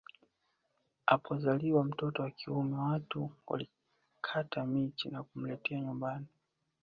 Apozaliwa mtoto wa kiume watu walikata miti na kumletea nyumbani